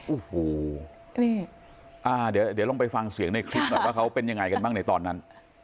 โอ้โหนี่อ่าเดี๋ยวลองไปฟังเสียงในคลิปหน่อยว่าเขาเป็นยังไงกันบ้างในตอนนั้น